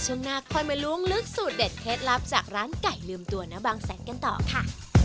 ช่วงหน้าค่อยมาล้วงลึกสูตรเด็ดเคล็ดลับจากร้านไก่ลืมตัวณบางแสนกันต่อค่ะ